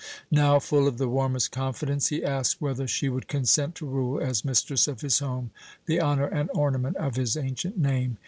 Now, full of the warmest confidence, he asked whether she would consent to rule as mistress of his home, the honour and ornament of his ancient name?